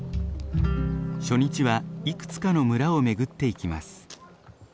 初日はいくつかの村を巡っていきます。